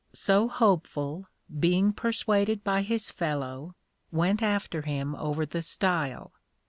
So Hopeful, being persuaded by his fellow, went after him over the Stile.